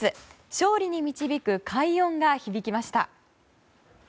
勝利に導く快音が響きました。